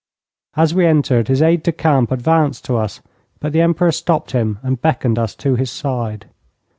As we entered, his aide de camp advanced to us, but the Emperor stopped him and beckoned us to his side.